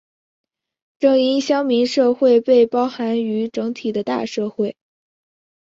正因乡民社会被包含于整体的大社会。